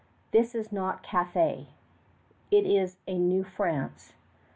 This is not Cathay; it is a New France.